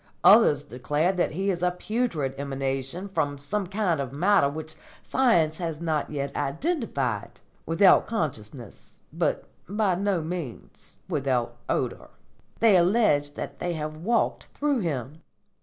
Others declare that he is a putrid emanation from some kind of matter which science has not yet identified, without consciousness, but by no means without odour. They allege that they have walked through him."